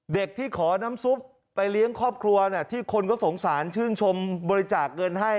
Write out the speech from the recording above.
เด็กที่ขอน้ำซุปไปเลี้ยงครอบครัวที่คนก็สงสารชื่นชมบริจาคเงินให้